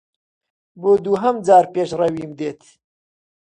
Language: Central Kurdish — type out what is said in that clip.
بۆ دووهەم جار پیشەوەریم دیت.